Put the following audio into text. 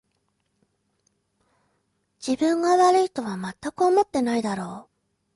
自分が悪いとはまったく思ってないだろう